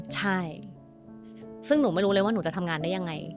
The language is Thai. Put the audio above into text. ใช่ซึ่งหนูไม่รู้เลยว่าหนูจะทำงานได้ยังไง